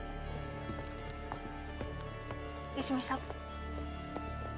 失礼しました。